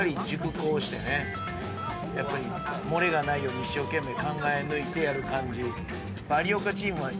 やっぱり漏れがないように一生懸命考え抜いてやる感じ。